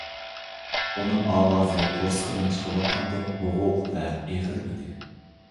ئۇنىڭ ئاۋازى قورسىقىدىن چىقىۋاتقاندەك بوغۇق ۋە ئېغىر ئىدى.